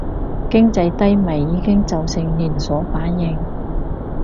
經濟低迷已經造成連鎖反應